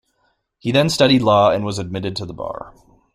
He then studied law and was admitted to the bar.